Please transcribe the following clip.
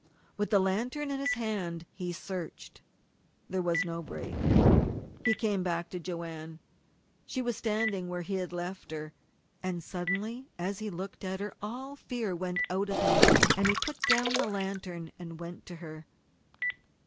With the lantern in his hand he searched. There was no break. He came back to Joanne. She was standing where he had left her. And suddenly, as he looked at her, all fear went out of him, and he put down the lantern and went to her.